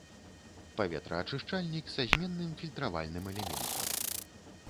Паветраачышчальнік са зменным фільтравальным элементам.